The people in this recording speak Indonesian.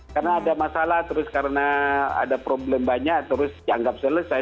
karena ada masalah terus karena ada problem banyak terus dianggap selesai